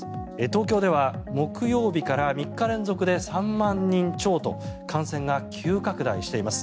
東京では木曜日から３日連続で３万人超と感染が急拡大しています。